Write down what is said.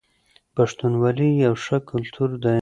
پښتونولي يو ښه کلتور دی.